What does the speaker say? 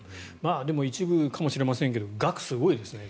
一部かもしれませんが額がすごいですね。